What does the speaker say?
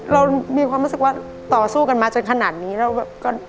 เรามีความรู้สึกว่าต่อสู้กันมาจนขนาดนี้แล้วแบบก็